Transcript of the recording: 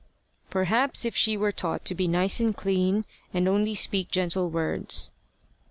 "Perhaps if she were taught to be nice and clean, and only speak gentle words."